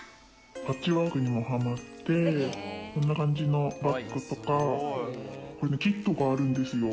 パッチワークにもハマって、こんな感じのバッグとか、キットがあるんですよ。